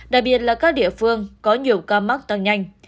đặc biệt là các địa phương có nhiều ca mắc tăng nhanh